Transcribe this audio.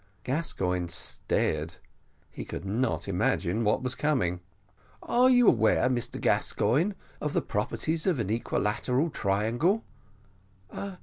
Gascoigne stared; he could not imagine what was coming. "Are you aware, Mr Gascoigne, of the properties of an equilateral triangle?"